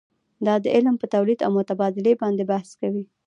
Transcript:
دا علم په تولید او مبادلې باندې بحث کوي.